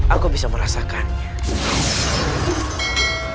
aku bisa merasakannya